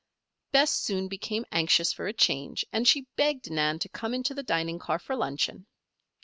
Bess soon became anxious for a change and she begged Nan to come into the dining car for luncheon.